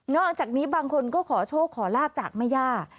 อกจากนี้บางคนก็ขอโชคขอลาบจากแม่ย่า